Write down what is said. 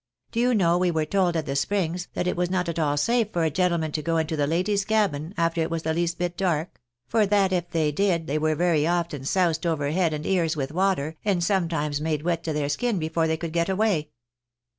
Do you know, we were told at the Springs, that it 318 THE BAENABYS IN AMERICA. was not at all safe for a gentleman to go into the ladies' cabin after it was the least bit dark ; for that if they did, they were very often soiised over head and ears with water, and sometimes made wet to their skin, before they could get away."